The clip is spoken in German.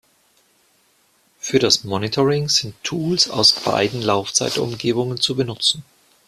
Für das Monitoring sind Tools aus beiden Laufzeitumgebungen zu benutzen.